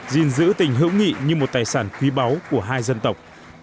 gìn giữ tình hữu nghị như một tài sản quý báu của hai dân tộc